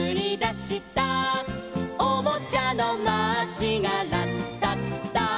「おもちゃのマーチがラッタッタ」